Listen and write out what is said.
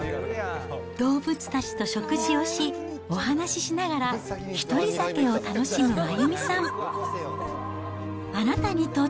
動物たちと食事をし、お話しながら、一人酒を楽しむ真弓さん。